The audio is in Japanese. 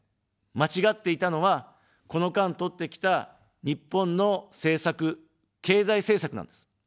間違っていたのは、この間とってきた日本の政策、経済政策なんです。